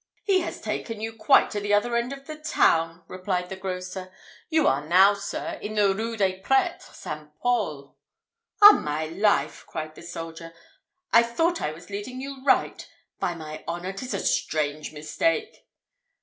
"He has taken you quite to the other end of the town," replied the grocer. "You are now, sir, in the Rue des Prêtres St. Paul." "On my life!" cried the soldier, "I thought I was leading you right. By my honour, 'tis a strange mistake!"